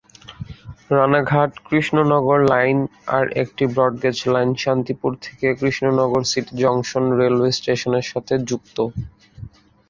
Ranaghat-Krishnanagar line আর একটি broad gauge line Shantipur থেকে Krishnanagar city junction railway স্টেশনের সাথে যুক্ত।